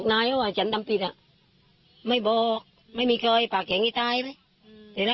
พูดได้ยังไงว่าถ้าคุณเมฆไม่มีหมวงวัน